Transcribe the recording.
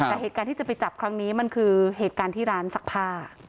แต่เหตุการณ์ที่จะไปจับครั้งนี้มันคือเหตุการณ์ที่ร้านซักผ้า